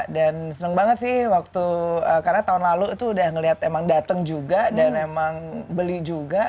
dan seneng banget sih waktu karena tahun lalu itu udah ngeliat emang dateng juga dan emang beli juga